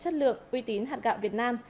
chất lượng uy tín hạn gạo việt nam